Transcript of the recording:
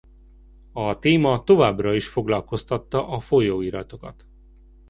A téma továbbra is foglalkoztatta a folyóiratokat.